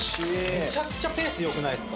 めちゃくちゃペースよくないですか？